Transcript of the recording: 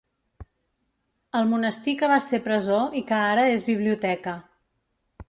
El monestir que va ser presó i que ara és biblioteca.